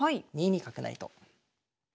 ２二角成と。